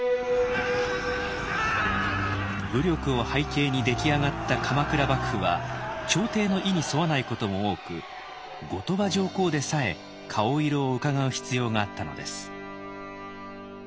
武力を背景に出来上がった鎌倉幕府は朝廷の意に沿わないことも多く後鳥羽上皇でさえ顔色をうかがう必要があったのです。